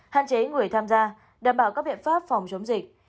hạn chế người tham gia đảm bảo các biện pháp phòng chống dịch